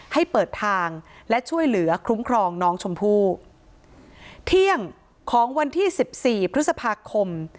ให้เปิดทางและช่วยเหลือคลุ้มครองน้องชมพู่เที่ยงของวันที่สิบสี่พฤษภาคม